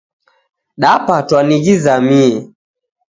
Dapatwa ni ghizamie.